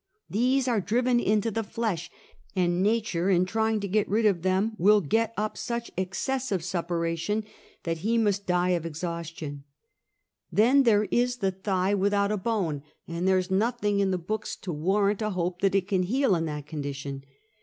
These are driven into the flesh, and nature in trying to get rid of them will get up such excessive suppuration that he must die of exhaustion. Then there is the thigh with 284: Half a Centtjky. out a Lone, and tliere is nothing in the boots to war rant a hope that it could heal in that condition.